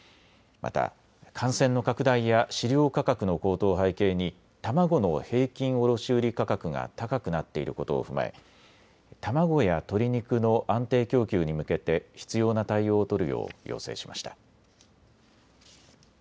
また、感染の拡大や飼料価格の高騰を背景に卵の平均卸売価格が高くなっていることを踏まえ卵や鶏肉の安定供給に向けて必要な対応を取るよう要請しました。